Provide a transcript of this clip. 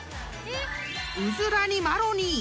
［うずらにマロニー］